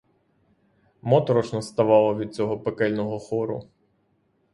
Моторошно ставало від цього пекельного хору.